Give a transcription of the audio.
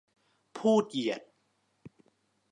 พูดเหยียด